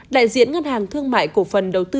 đại diện ngân hàng thương mại cổ phần đầu tư